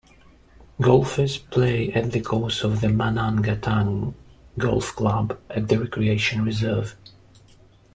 Golfers play at the course of the Manangatang Golf Club at the Recreation Reserve.